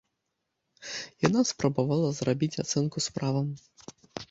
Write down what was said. Яна спрабавала зрабіць ацэнку справам.